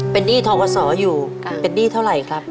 เป็นหนี้ทกศอยู่เป็นหนี้เท่าไหร่ครับ